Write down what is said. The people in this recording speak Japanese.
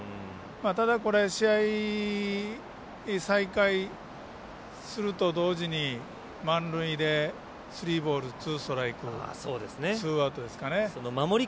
ただ、試合再開すると同時に満塁で、スリーボールツーストライクツーアウトですかね。